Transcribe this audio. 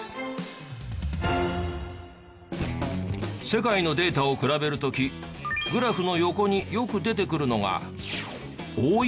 世界のデータを比べる時グラフの横によく出てくるのがＯＥＣＤ。